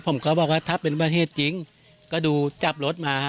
ผมก็บอกว่าถ้าเป็นประเทศจริงก็ดูจับรถมา